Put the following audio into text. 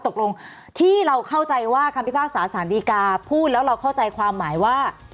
ตกลงที่เราเข้าใจว่าคำพิพากษาสารดีกาพูดแล้วเราเข้าใจความหมายว่า